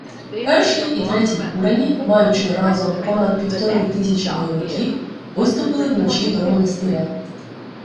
Перший і Третій курені, маючи разом понад півтори тисячі бойовиків, виступили вночі до монастиря.